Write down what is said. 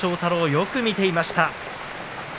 よく見ていました。